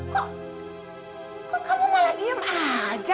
kok kok kamu malah diem aja